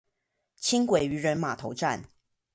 輕軌漁人碼頭站